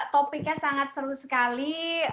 topiknya sangat seru sekali